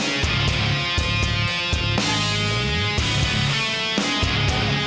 sampai jumpa lagi